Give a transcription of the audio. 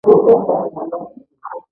د ریګ دښتې د افغانستان طبعي ثروت دی.